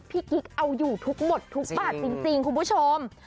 กิ๊กเอาอยู่ทุกหมดทุกบาทจริงคุณผู้ชม